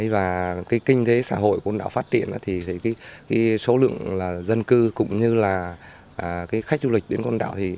và cái kinh tế xã hội của con đảo phát triển thì số lượng dân cư cũng như là khách du lịch đến con đảo